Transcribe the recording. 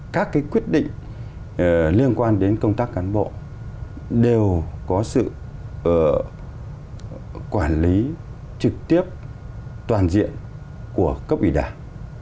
các cái quyết định liên quan đến công tác cán bộ đều có sự quản lý trực tiếp toàn diện của cấp ủy đảng